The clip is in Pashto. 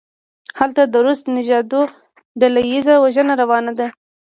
هلته د روس نژادو ډله ایزه وژنه روانه ده.